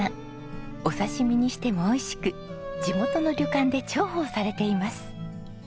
お刺し身にしても美味しく地元の旅館で重宝されています。